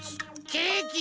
ケーキ。